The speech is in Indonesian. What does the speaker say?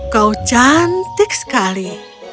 kau cantik sekali